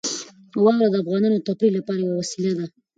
واوره د افغانانو د تفریح لپاره یوه وسیله ده.